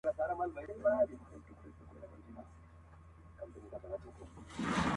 نصیب د جهاني له ستوني زور دی تښتولی!